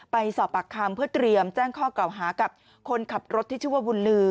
ไปสอบปากคำเพื่อเตรียมแจ้งข้อเก่าหากับคนขับรถที่ชื่อว่าบุญลือ